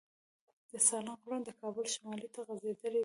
د سالنګ غرونه د کابل شمال ته غځېدلي دي.